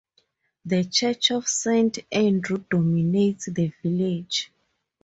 The church of Saint Andrew dominates the village.